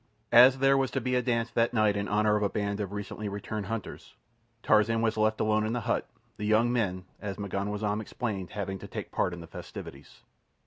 As there was to be a dance that night in honour of a band of recently returned hunters, Tarzan was left alone in the hut, the young men, as M'ganwazam explained, having to take part in the festivities.